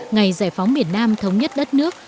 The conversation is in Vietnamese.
ngày giải phóng biển nam thống nhất đất nước